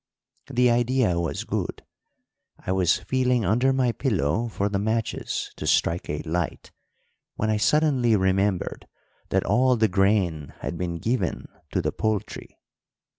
"The idea was good. I was feeling under my pillow for the matches to strike a light when I suddenly remembered that all the grain had been given to the poultry.